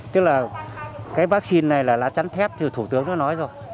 tức là cái vaccine này là lá trắng thép thủ tướng nó nói rồi